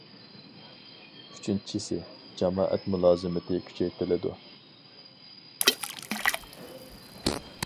ئۈچىنچىسى، جامائەت مۇلازىمىتى كۈچەيتىلىدۇ.